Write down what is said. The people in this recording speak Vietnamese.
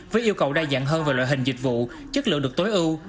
với yêu cầu đa dạng hơn về loại hình dịch vụ chất lượng được tối ưu